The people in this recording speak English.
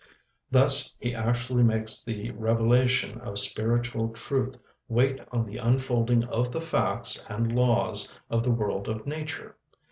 Thus he actually makes the revelation of spiritual truth wait on the unfolding of the facts and laws of the world of nature.